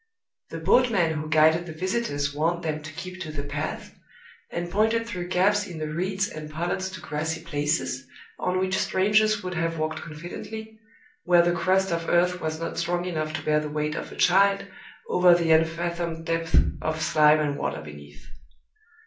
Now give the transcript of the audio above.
The boatmen who guided the visitors warned them to keep to the path, and pointed through gaps in the reeds and pollards to grassy places, on which strangers would have walked confidently, where the crust of earth was not strong enough to bear the weight of a child over the unfathomed depths of slime and water beneath.